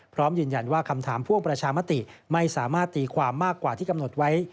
พร้อมยืนยันว่าคำถามพ่วงประชามติไม่สามารถตีความมากกว่าที่กำหนดไว้